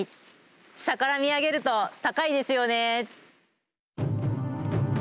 下から見上げると高いですよね。